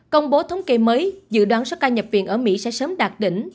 công bố thống kê mới dự đoán số ca nhập viện ở mỹ sẽ sớm đạt đỉnh